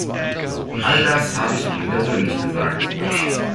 All das habe ich ihnen persönlich gesagt.